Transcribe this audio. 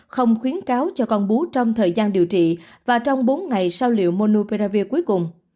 không khuyến cáo cho con bú trong thời gian điều trị và trong bốn ngày sau liệu monopearavi cuối cùng